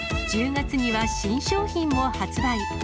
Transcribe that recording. １０月には新商品も発売。